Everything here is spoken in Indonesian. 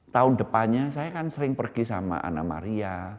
tahun depannya saya kan sering pergi sama anna maria